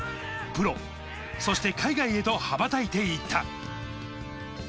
プロ、そして海外へと羽ばたいていった。